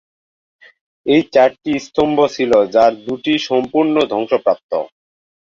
এর চারটি স্তম্ভ ছিল, যার দুটি সম্পূর্ণ ধ্বংসপ্রাপ্ত।